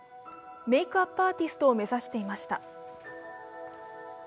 メークアップアーティストを目指していました。